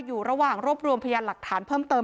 อยู่ระหว่างรวบรวมพยานหลักฐานเพิ่มเติม